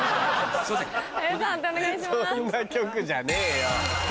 そんな局じゃねえよ。